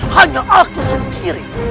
hanya aku sendiri